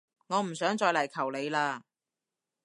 我唔想再嚟求你喇